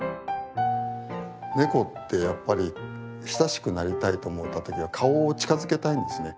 ネコってやっぱり親しくなりたいと思った時は顔を近づけたいんですね。